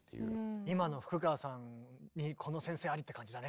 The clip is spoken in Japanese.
今の福川さんにこの先生ありって感じだね。